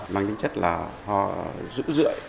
mang những chất là ho dữ dưỡng